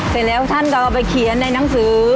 เสร็จแล้วท่านก็เอาไปเขียนในหนังสือ